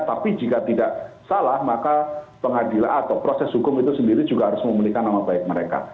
tapi jika tidak salah maka pengadilan atau proses hukum itu sendiri juga harus memulihkan nama baik mereka